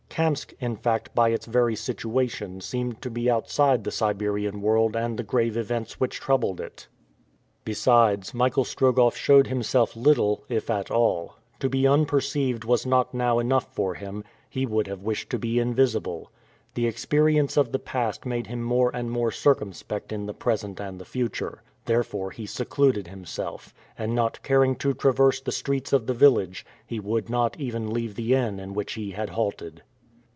Kamsk, in fact, by its very situation seemed to be outside the Siberian world and the grave events which troubled it. Besides, Michael Strogoff showed himself little, if at all. To be unperceived was not now enough for him: he would have wished to be invisible. The experience of the past made him more and more circumspect in the present and the future. Therefore he secluded himself, and not caring to traverse the streets of the village, he would not even leave the inn at which he had halted.